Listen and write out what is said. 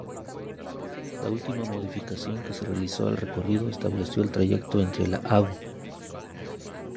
La última modificación que se realizó al recorrido estableció el trayecto entre la Av.